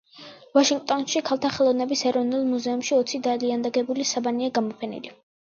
ვაშინგტონში ქალთა ხელოვნების ეროვნულ მუზეუმში ოცი დალიანდაგებული საბანია გამოფენილი.